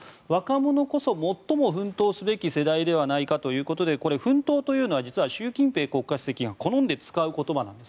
若者こそ最も奮闘すべき世代ではないかということで奮闘というのは実は習近平国家主席が好んで使う言葉です。